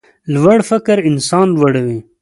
لوړ فکر انسان لوړوي.